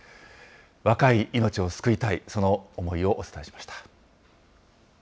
若い命を救いたい、その思いをお伝えしました。